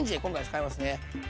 今回使いますね。